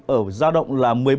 ở gia động là một mươi bảy